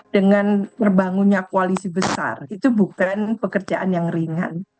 dengan terbangunnya koalisi besar itu bukan pekerjaan yang ringan